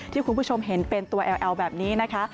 ที่คุณผู้ชมเห็นเป็นตัวแอลแบบนี้นะคะ